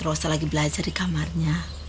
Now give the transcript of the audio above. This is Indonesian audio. rosa lagi belajar di kamarnya